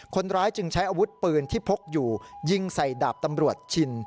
คนร้ายจึงใช้อาวุธปืนที่พกอยู่ยิงใส่ดาบตำรวจชิน